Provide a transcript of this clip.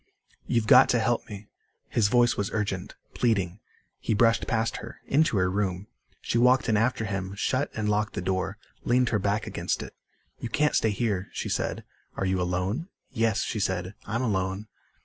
"You've got to help me." His voice was urgent, pleading. He brushed past her, into her room. She walked in after him, shut and locked the door, leaned her back against it. "You can't stay here," she said. "Are you alone?" "Yes," she said. "I'm alone."